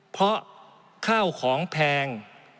เพราะข้าวของแพง